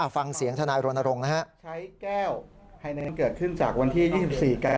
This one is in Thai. ฟังเสียงทนายรณรงค์นะครับ